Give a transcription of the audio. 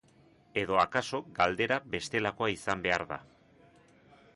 Edo akaso galdera bestelakoa izan behar da.